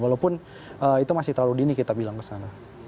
walaupun itu masih terlalu dini kita bilang kesana